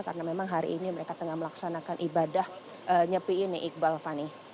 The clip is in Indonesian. karena memang hari ini mereka tengah melaksanakan ibadah nyepi ini iqbal fani